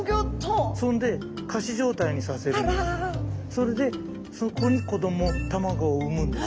それでそこに子ども卵を産むんです。